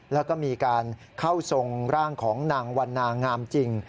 แล้วก็มีการเข้าทรงร่างของนางวันนางามจริง